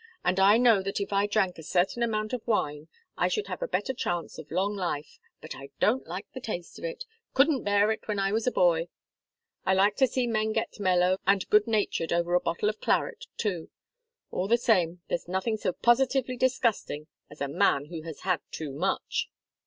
And I know that if I drank a certain amount of wine I should have a better chance of long life, but I don't like the taste of it couldn't bear it when I was a boy. I like to see men get mellow and good natured over a bottle of claret, too. All the same, there's nothing so positively disgusting as a man who has had too much."